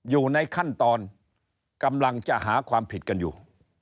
อยู่ในขั้นตอนกำลังจะหาความผิดกันอยู่